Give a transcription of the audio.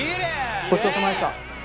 ごちそうさまでした！